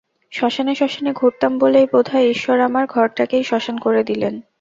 শ্মশানে-শ্মশানে ঘুরতাম বলেই বোধহয় ঈশ্বর আমার ঘরটাকেই শ্মশান করে দিলেন।